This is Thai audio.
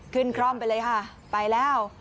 ขึ้นคร่องไปเลยครับไปแล้ว